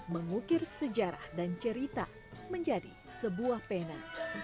mengukir sejarah dan cerita menjadi sebuah pena